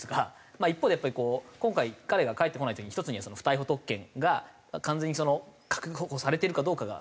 一方でやっぱりこう今回彼が帰ってこない時に一つには不逮捕特権が完全に保護されてるかどうかが不安であると。